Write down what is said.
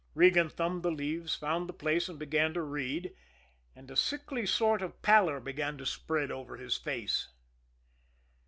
Regan thumbed the leaves, found the place and began to read and a sickly sort of pallor began to spread over his face.